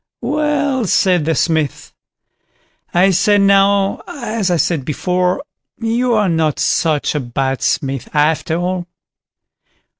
"Well", said the Smith, "I say now, as I said before, you are not such a bad smith after all.